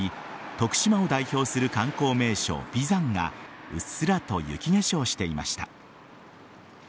徳島を代表する観光名所・眉山がうっすらと雪化粧していました。